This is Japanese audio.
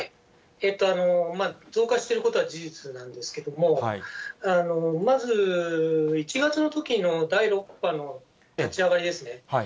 増加していることは事実なんですけれども、まず１月のときの第６波の立ち上がりですね。